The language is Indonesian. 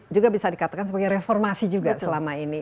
juga bisa dikatakan sebagai reformasi juga selama ini